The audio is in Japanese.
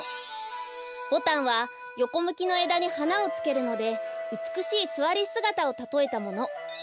ボタンはよこむきのえだにはなをつけるのでうつくしいすわりすがたをたとえたもの。